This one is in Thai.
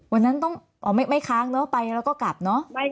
วันนั้นต้องไม่ค้างเนอะไปแล้วก็กลับเนอะ